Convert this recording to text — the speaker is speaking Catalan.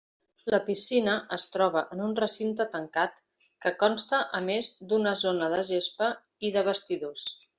La piscina es troba en un recinte tancat que consta a més d'una zona de gespa i de vestidors.